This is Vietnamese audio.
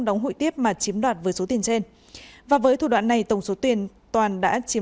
đóng hủy tiếp mà chiếm đoạt với số tiền trên và với thủ đoạn này tổng số tiền toàn đã chiếm